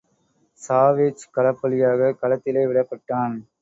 Savage களப்பலியாக களத்திலே விடப்பட்டான்.